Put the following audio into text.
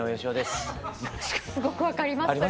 すごく分かりますそれ。